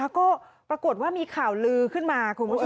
ก็ปรากฏว่ามีข่าวลือขึ้นมาคุณผู้ชม